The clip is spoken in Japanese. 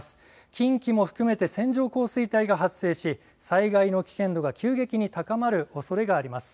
近畿も含めて線状降水帯が発生し災害の危険度が急激に高まるおそれがあります。